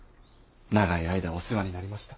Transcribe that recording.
長い間お世話になりました。